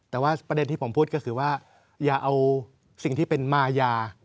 แต่ว่าประเด็นที่ผมพูดก็คือว่าอย่าเอาสิ่งที่เป็นมายา